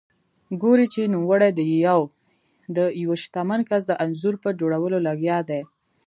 ګوري چې نوموړی د یوه شتمن کس د انځور په جوړولو لګیا دی.